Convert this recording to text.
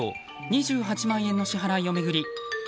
２８万円の支払いを巡り